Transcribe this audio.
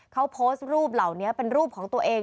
เขาโพสต์รูปเหล่านี้เป็นรูปของตัวเอง